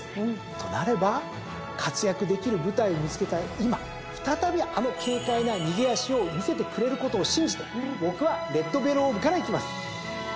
となれば活躍できる舞台を見つけた今再びあの軽快な逃げ脚を見せてくれることを信じて僕はレッドベルオーブからいきます。